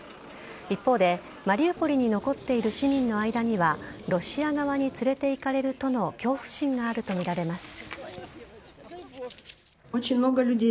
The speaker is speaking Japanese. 一方で、マリウポリに残っている市民の間にはロシア側に連れて行かれるとの恐怖心があるとみられます。